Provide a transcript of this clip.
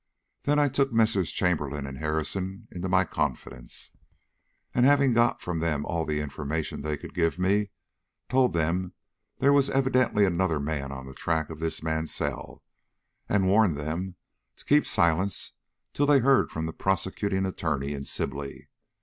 Then I took Messrs. Chamberlin and Harrison into my confidence, and having got from them all the information they could give me, told them there was evidently another man on the track of this Mansell, and warned them to keep silence till they heard from the prosecuting attorney in Sibley.